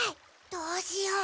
どうしよう？